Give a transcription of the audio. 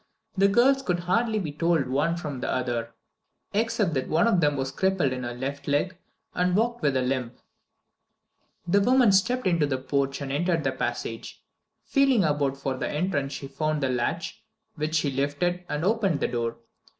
The girls could hardly be told one from the other, except that one of them was crippled in her left leg and walked with a limp. The woman stepped into the porch and entered the passage. Feeling about for the entrance she found the latch, which she lifted, and opened the door.